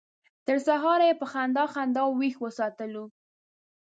تر سهاره یې په خندا خندا ویښ وساتلو.